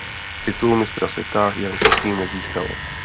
Titul mistra světa Jan Suchý nezískal.